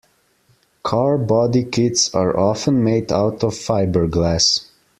Car body kits are often made out of fiberglass.